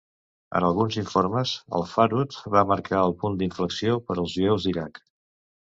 En alguns informes, el "farhud" va marcar el punt d'inflexió per als jueus d'Iraq.